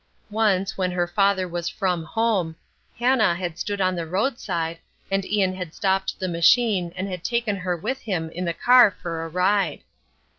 Once, when her father was from home, Hannah had stood on the roadside, and Ian had stopped the machine and had taken her with him in the car for a ride.